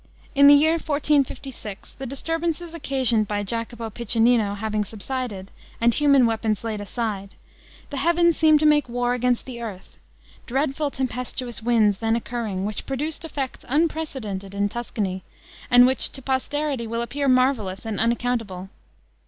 In the year 1456, the disturbances occasioned by Jacopo Piccinino having subsided, and human weapons laid aside, the heavens seemed to make war against the earth; dreadful tempestuous winds then occurring, which produced effects unprecedented in Tuscany, and which to posterity will appear marvelous and unaccountable.